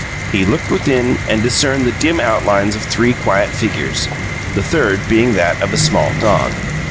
He looked within, and discerned the dim outlines of three quiet figures, the third being that of a small dog.